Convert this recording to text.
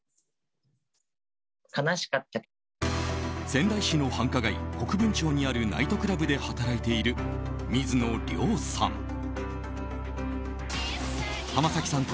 仙台市の繁華街・国分町にあるナイトクラブで働いている水野涼さん。